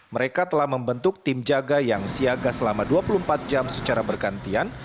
mereka telah membentuk tim jaga yang siaga selama dua puluh empat jam secara bergantian